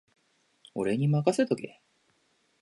俺にまかせとけ